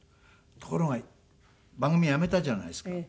ところが番組やめたじゃないですか。